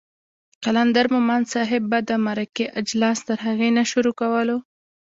قلندر مومند صاحب به د مرکې اجلاس تر هغې نه شروع کولو